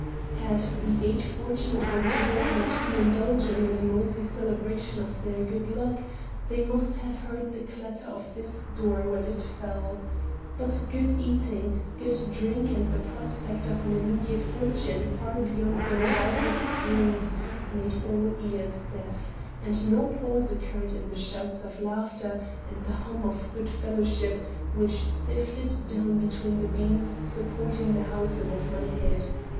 Had the eight fortunate ones above not been indulging in a noisy celebration of their good luck, they must have heard the clatter of this door when it fell. But good eating, good drink, and the prospect of an immediate fortune far beyond their wildest dreams, made all ears deaf; and no pause occurred in the shouts of laughter and the hum of good fellowship which sifted down between the beams supporting the house above my head.